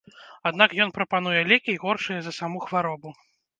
Аднак ён прапануе лекі, горшыя за саму хваробу.